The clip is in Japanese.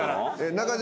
中島。